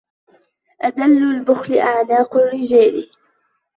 أذل البخل أعناق الرجال